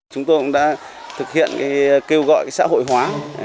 chúng tôi cũng đã thực hiện kêu gọi xã hội hóa